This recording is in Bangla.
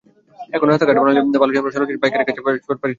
একন রাস্তা-ঘাট ভালো হইয়া হামরা সরাসরি পাইকারের কাচে পাখা বেচপার পারিচ্চি।